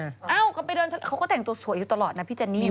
อ้าวเขาก็ไปเดินทางเขาก็แต่งตัวสวยอยู่ตลอดนะพี่เจนี่นะ